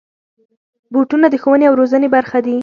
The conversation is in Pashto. بوټونه د ښوونې او روزنې برخه دي.